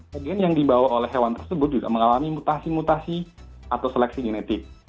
bagian yang dibawa oleh hewan tersebut juga mengalami mutasi mutasi atau seleksi genetik